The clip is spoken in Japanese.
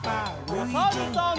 おさるさん。